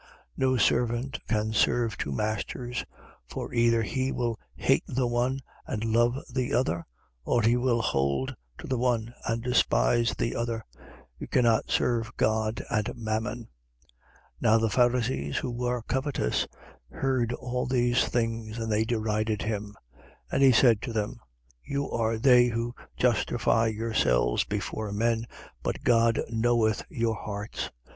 16:13. No servant can serve two masters: for either he will hate the one and love the other: or he will hold to the one and despise the other. You cannot serve God and mammon. 16:14. Now the Pharisees, who were covetous, heard all these things: and they derided him. 16:15. And he said to them: you are they who justify yourselves before men, but God knoweth your hearts.